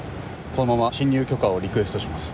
このまま進入許可をリクエストします。